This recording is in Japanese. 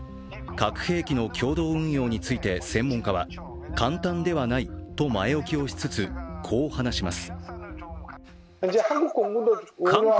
核兵器の共同運用について専門家は、簡単ではないと前置きをしつつこう話します。